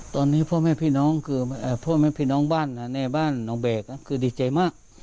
ตอนนี้พ่อแม่พี่น้องคือพ่อแม่พี่น้องบ้านแม่บ้านน้องแบกคือดีใจมาก